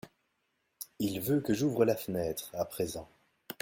Il veut que j’ouvre la fenêtre, à présent…